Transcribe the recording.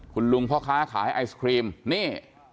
คุณลุงพ่อค้าขายไอศครีมนี่